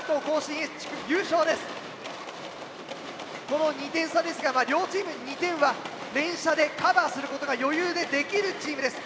この２点差ですがまあ両チーム２点は連射でカバーすることが余裕でできるチームです。